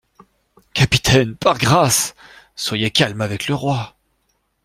Capitaine, par grâce ! soyez calme avec le roi.